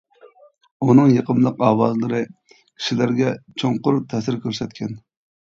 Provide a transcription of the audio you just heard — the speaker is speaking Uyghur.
ئۇنىڭ يېقىملىق ئاۋازلىرى كىشىلەرگە چوڭقۇر تەسىر كۆرسەتكەن.